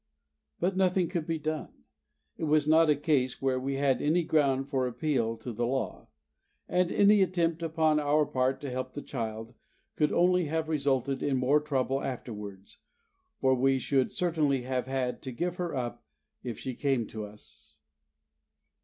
But nothing could be done. It was not a case where we had any ground for appeal to the law; and any attempt upon our part to help the child could only have resulted in more trouble afterwards, for we should certainly have had to give her up if she came to us.